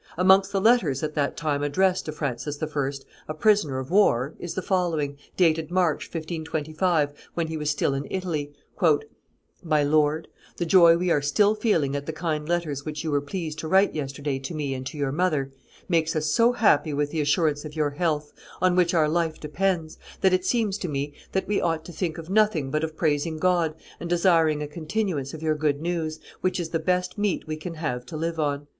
Amongst the letters at that time addressed to Francis I., a prisoner of war, is the following, dated March, 1525, when he was still in Italy: "My lord, the joy we are still feeling at the kind letters which you were pleased to write yesterday to me and to your mother, makes us so happy with the assurance of your health, on which our life depends, that it seems to me that we ought to think of nothing but of praising God and desiring a continuance of your good news, which is the best meat we can have to live on.